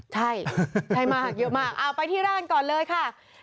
ใช่ใช่มากเยอะมากเอาไปที่ร้านก่อนเลยค่ะ